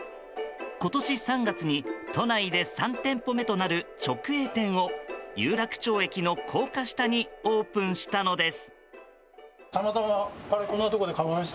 今年３月に都内で３店舗目となる直営店を有楽町駅の高架下にオープンしたのです。